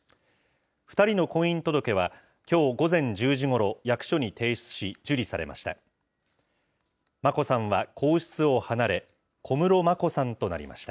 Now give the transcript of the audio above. ２人の婚姻届は、きょう午前１０時ごろ、役所に提出し、受理されました。